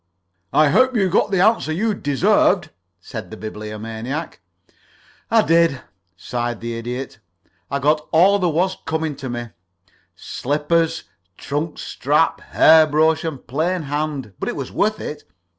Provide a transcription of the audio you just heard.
"I hope you got the answer you deserved," said the Bibliomaniac. "I did," sighed the Idiot. "I got all there was coming to me slippers, trunk strap, hair brush, and plain hand; but it was worth it.